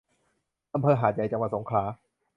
อำเภอหาดใหญ่ จังหวัดสงขลา